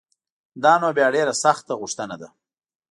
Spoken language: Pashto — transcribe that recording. دا نو بیا ډېره سخته غوښتنه ده